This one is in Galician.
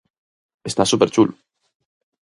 Está súper chulo.